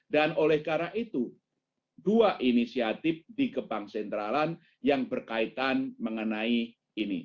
dan oleh karena itu dua inisiatif dikebang sentralan yang berkaitan mengenai ini